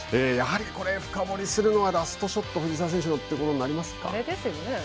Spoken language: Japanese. やはりこれ深掘りするのはラストショット藤沢選手のということになりますか。